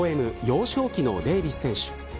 幼少期のデイヴィス選手。